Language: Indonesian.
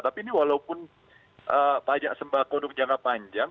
tapi ini walaupun pajak sembah kodok jangka panjang